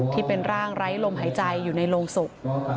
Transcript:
ที่เป็นร่างไร้ลมหายใจอยู่ในโรงศพ